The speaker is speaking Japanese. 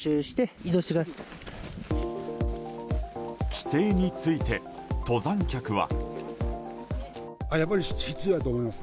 規制について登山客は。